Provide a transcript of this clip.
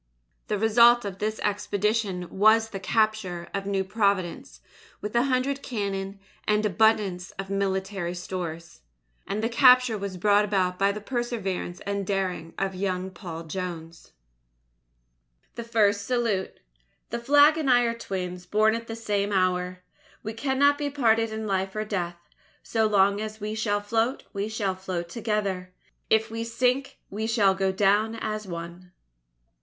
The result of this expedition was the capture of New Providence with a hundred cannon and abundance of military stores. And the capture was brought about by the perseverance and daring of young Paul Jones. J. T. Headley (Arranged) THE FIRST SALUTE _That Flag and I are twins, born at the same hour.... We cannot be parted in life or death. So long as we shall float, we shall float together. If we sink, we shall go down as one.